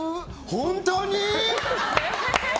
本当に？